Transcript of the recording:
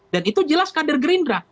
dan itu jelas kader gerindra